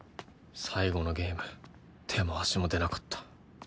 最後のゲーム手も足も出なかった。